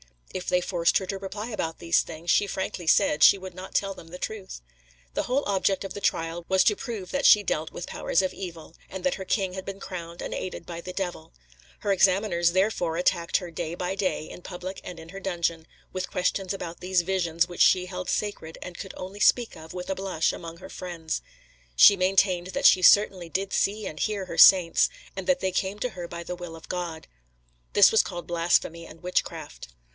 If they forced her to reply about these things, she frankly said, she would not tell them the truth. The whole object of the trial was to prove that she dealt with powers of evil, and that her king had been crowned and aided by the devil. Her examiners, therefore, attacked her day by day, in public and in her dungeon, with questions about these visions which she held sacred and could only speak of with a blush among her friends. She maintained that she certainly did see and hear her Saints, and that they came to her by the will of God. This was called blasphemy and witchcraft.